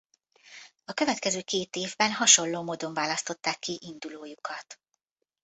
A következő két évben hasonló módon választották ki indulójukat.